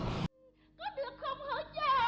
có được không hả cha